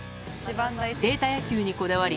データ野球にこだわり、